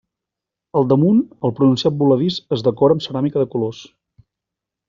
Al damunt, el pronunciat voladís es decora amb ceràmica de colors.